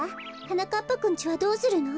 はなかっぱくんちはどうするの？